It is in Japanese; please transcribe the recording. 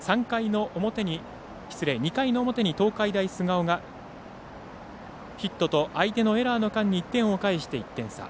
２回の表に東海大菅生がヒットと相手のエラーの間に１点を返して１点差。